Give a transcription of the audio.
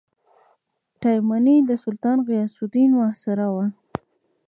تایمنى د سلطان غیاث الدین معاصر وو.